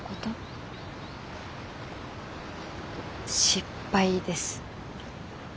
失敗です。